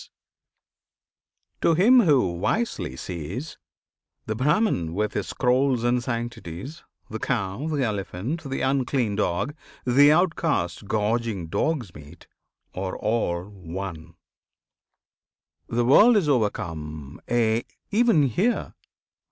] To him who wisely sees, The Brahman with his scrolls and sanctities, The cow, the elephant, the unclean dog, The Outcast gorging dog's meat, are all one. The world is overcome aye! even here!